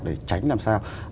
để tránh làm sao